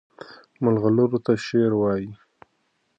مرغلرو ته شعر وایي.